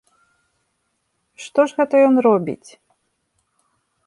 Што ж гэта ён робіць?